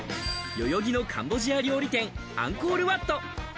代々木のカンボジア料理店アンコールワット。